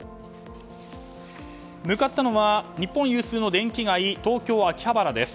向かったのは日本有数の電気街東京・秋葉原です。